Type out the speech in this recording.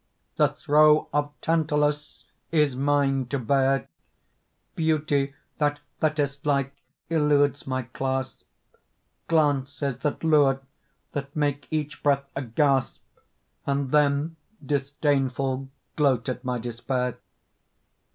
The throe of Tantalus is mine to bear, Beauty that Thetis like eludes my clasp; Glances that lure, that make each breath a gasp, And then disdainful gloat at my despair.